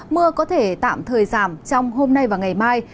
mưa có thể tạm thời giảm trong hôm nay và ngày mai